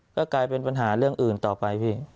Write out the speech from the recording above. ก็กลายเป็นปัญหาเรื่องอื่นต่อไปพี่